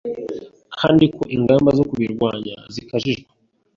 kandi ko ingamba zo kuburwanya zakajijwe.